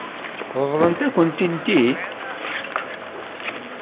Ṛeḍlent-ak-ten-id?